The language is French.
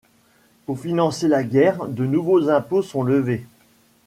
Pour financer la guerre, de nouveaux impôts sont levés.